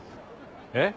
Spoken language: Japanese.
えっ？